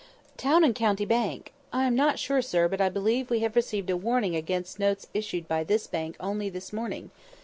"Town and County Bank! I am not sure, sir, but I believe we have received a warning against notes issued by this bank only this morning.